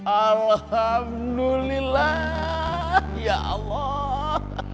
alhamdulillah ya allah